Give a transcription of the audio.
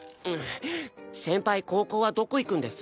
先輩高校はどこ行くんです？